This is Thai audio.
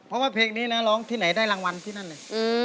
เพราะว่าเพลงนี้นะร้องที่ไหนได้รางวัลที่นั่นเลย